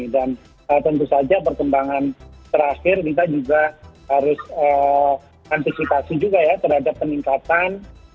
dan tentu saja perkembangan terakhir kita juga harus antisipasi juga ya terhadap peningkatan